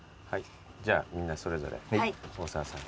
じゃみんなそれぞれ大沢さんに。